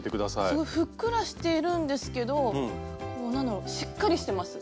すごいふっくらしているんですけど何だろしっかりしてます。